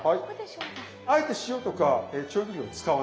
あえて塩とか調味料使わない。